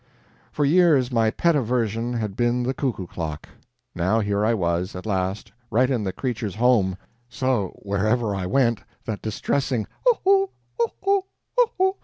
For years my pet aversion had been the cuckoo clock; now here I was, at last, right in the creature's home; so wherever I went that distressing "HOO'hoo! HOO'hoo! HOO'hoo!"